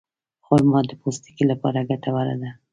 خرما د پوستکي لپاره ګټوره ده.